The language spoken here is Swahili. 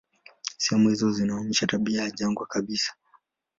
Sehemu hizo zinaonyesha tabia ya jangwa kabisa.